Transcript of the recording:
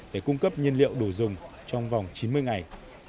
để cung cấp nhiên liệu đồ dùng trong vòng chín mươi ngày